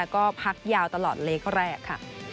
ก็พักยาวตลอดเล็กแรกค่ะ